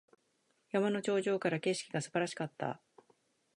山の頂上からの景色が素晴らしかった。